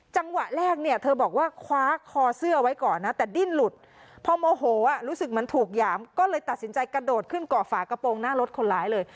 จังหวะแรกเนี่ยเธอบอกว่าคว้าคอเสื้อไว้ก่อนนะแต่ดิ้นหลุดพอโมโหรู้สึกเหมือนถูกหยามก็เลยตัดสินใจกระโดดขึ้นเกาะฝากระโปรงหน้ารถคนร้ายเลย